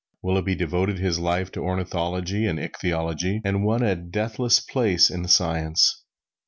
Willughby devoted his life to Ornithology and Ichthyology and won a deathless place in science.